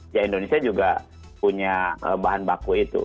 ya indonesia juga punya bahan baku itu